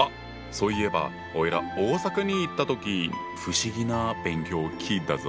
そういえばおいら大阪に行った時不思議な「勉強」を聞いたぞ！